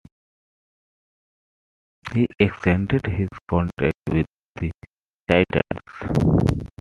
He extended his contract with the Titans.